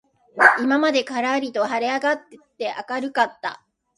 今までからりと晴はれ上あがって明あかるかった